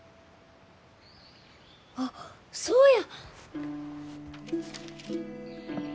あっそうや！